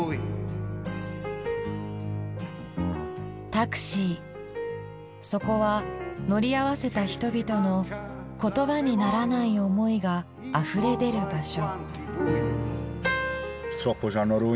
タクシーそこは乗り合わせた人々の言葉にならない思いがあふれ出る場所。